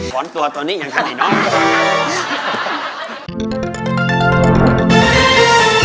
ฝนตัวตอนนี้ยังขนิน้อย